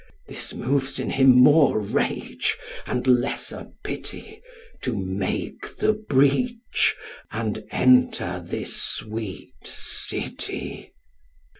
This moves in him more rage and lesser pity, To make the breach and enter this sweet city.